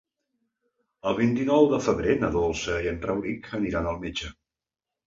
El vint-i-nou de febrer na Dolça i en Rauric aniran al metge.